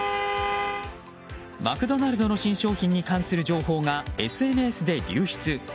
マクドナルドの新商品に関する情報がＳＮＳで流出。